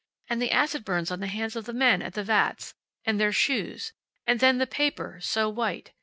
And the acid burns on the hands of the men at the vats. And their shoes. And then the paper, so white.